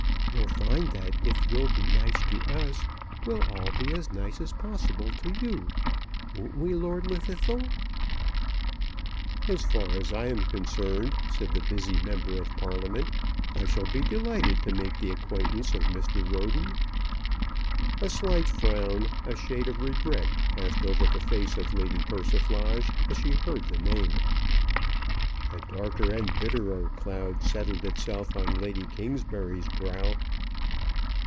"You'll find that if you'll be nice to us, we'll all be as nice as possible to you. Won't we, Lord Llwddythlw?" "As far as I am concerned," said the busy Member of Parliament, "I shall be delighted to make the acquaintance of Mr. Roden." A slight frown, a shade of regret, passed over the face of Lady Persiflage as she heard the name. A darker and bitterer cloud settled itself on Lady Kingsbury's brow.